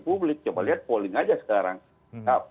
publik coba lihat polling aja sekarang